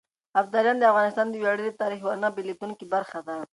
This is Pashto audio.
ابداليان د افغانستان د وياړلي تاريخ يوه نه بېلېدونکې برخه ده.